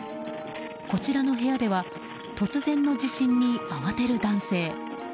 こちらの部屋では突然の地震に慌てる男性。